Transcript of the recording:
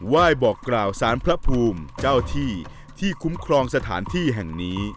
บอกกล่าวสารพระภูมิเจ้าที่ที่คุ้มครองสถานที่แห่งนี้